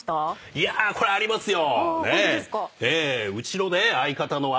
いやありますよ。